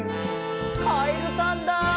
「カエルさんだ」